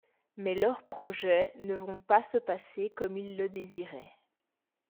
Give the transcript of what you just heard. Mais leurs projets ne vont pas se passer comme ils le désiraient.